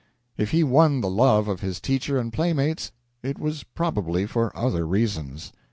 If he won the love of his teacher and playmates, it was probably for other reasons.